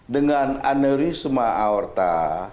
dengan aneurisma aorta